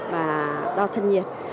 và đo thân nhiệt